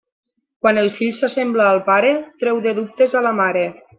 Quan el fill s'assembla al pare, treu de dubtes a la mare.